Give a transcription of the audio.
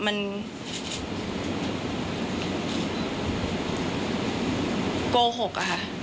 มันโกหกอะค่ะ